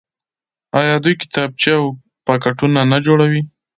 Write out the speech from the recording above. آیا دوی کتابچې او پاکټونه نه جوړوي؟